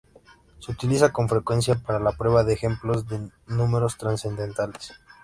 Se utiliza con frecuencia para la prueba de ejemplos de números trascendentales.